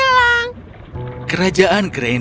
kerajaan granger pernah menjadi kerajaan perang